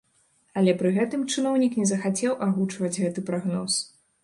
Але пры гэтым чыноўнік не захацеў агучваць гэты прагноз.